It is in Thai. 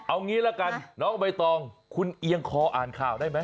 เอางี้ละกันน้องใบตองคุณเอียงคออ่านข่าวได้ไหม